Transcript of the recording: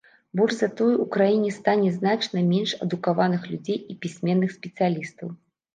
Больш за тое, у краіне стане значна менш адукаваных людзей і пісьменных спецыялістаў.